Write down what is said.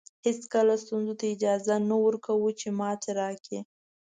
هېڅکله ستونزو ته اجازه نه ورکوو چې ماتې راکړي.